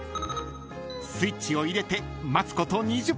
［スイッチを入れて待つこと２０分］